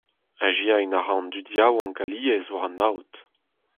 Azezañ a ra an dud yaouank alies war an aod.